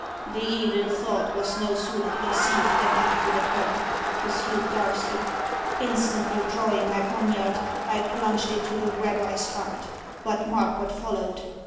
"The evil thought was no sooner conceived than acted upon," pursued Darcy. "Instantly drawing my poniard, I plunged it to the rabbi's heart. But mark what followed.